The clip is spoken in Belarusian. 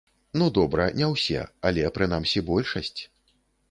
Ну, добра, не ўсе, але, прынамсі, большасць.